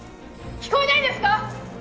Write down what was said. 聞こえないんですか！？」